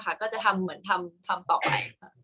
กากตัวทำอะไรบ้างอยู่ตรงนี้คนเดียว